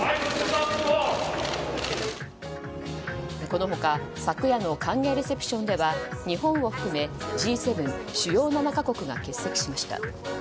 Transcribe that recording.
この他昨夜の歓迎レセプションでは日本を含め、Ｇ７・主要７か国が欠席しました。